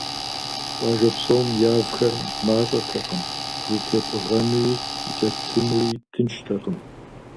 Къуажэ псом явхэр мащӏэтэкъым, зэтепӏыгъэнуи, укӏэлъыплъынуи тынштэкъым.